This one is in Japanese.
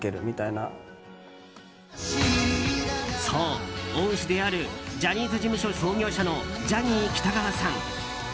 そう、恩師であるジャニーズ事務所創業者のジャニー喜多川さん。